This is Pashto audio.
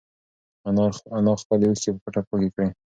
انا خپلې اوښکې په پټه پاکې کړې.